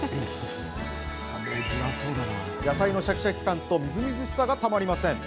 野菜のシャキシャキ感とみずみずしさが、たまりません。